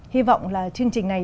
hy vọng là chương trình này